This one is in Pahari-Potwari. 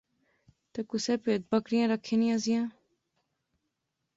تے کُسے پہید بکریاں رکھیاں نیاں زیاں